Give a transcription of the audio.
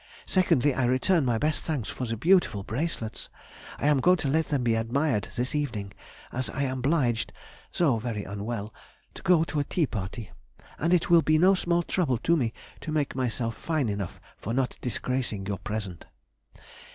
Secondly, I return my best thanks for the beautiful bracelets; I am going to let them be admired this evening, as I am obliged (though very unwell) to go to a tea party, and it will be no small trouble to me to make myself fine enough for not disgracing your present.